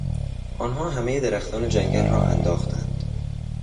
آنها همهی درختان جنگل را انداختند.